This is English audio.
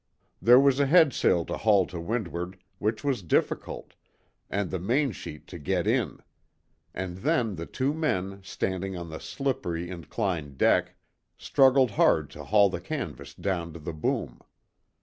There was a headsail to haul to windward, which was difficult, and the mainsheet to get in; and then the two men, standing on the slippery inclined deck, struggled hard to haul the canvas down to the boom.